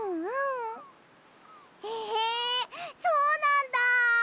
へえそうなんだ！